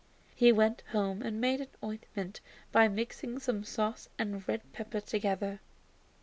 He went home and made an ointment by mixing some sauce and red pepper together.